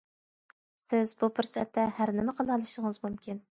سىز بۇ پۇرسەتتە ھەر نېمە قىلالىشىڭىز مۇمكىن.